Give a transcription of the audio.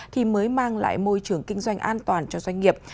thì mới mang lại môi trường kinh doanh an toàn cho doanh nghiệp